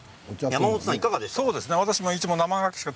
山本さん、いかがですか。